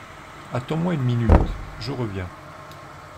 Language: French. Attends-moi une minute ; je reviens.